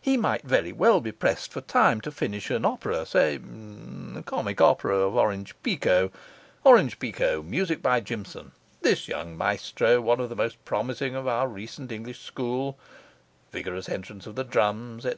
He might very well be pressed for time to finish an opera say the comic opera Orange Pekoe Orange Pekoe, music by Jimson 'this young maestro, one of the most promising of our recent English school' vigorous entrance of the drums, etc.